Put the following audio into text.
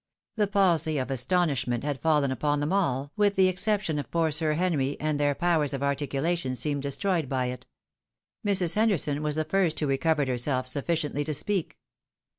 The palsy of astonishment had fallen upon them all, with the exception of poor Sir Henry, and their powers of articulation seemed destroyed by it. Mrs. Hen derson was the first who recovered herself sufiSciently to speak.